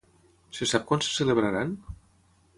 Se sap quan se celebraran?